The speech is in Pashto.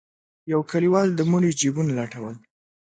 يو کليوال د مړي جيبونه لټول.